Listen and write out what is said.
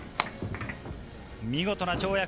見事な跳躍。